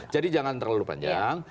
jadi jangan terlalu panjang